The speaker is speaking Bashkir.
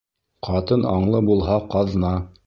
Ҡатын аңлы булһа ҡаҙна